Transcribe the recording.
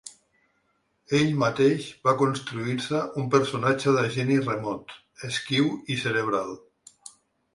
Ell mateix va construir-se un personatge de geni remot, esquiu i cerebral.